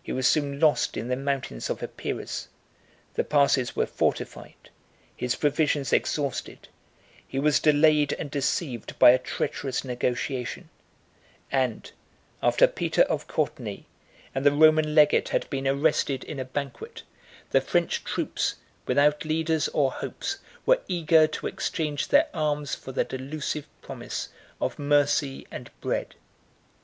He was soon lost in the mountains of Epirus: the passes were fortified; his provisions exhausted; he was delayed and deceived by a treacherous negotiation; and, after Peter of Courtenay and the Roman legate had been arrested in a banquet, the French troops, without leaders or hopes, were eager to exchange their arms for the delusive promise of mercy and bread.